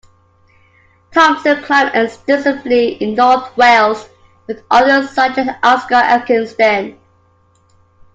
Thomson climbed extensively in North Wales with others such as Oscar Eckenstein.